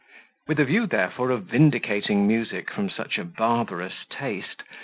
With a view, therefore, of vindicating music from such a barbarous taste.